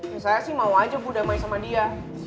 ya saya sih mau aja bu damai sama dia